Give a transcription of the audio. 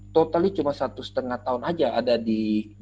totalnya cuma satu setengah tahun aja ada di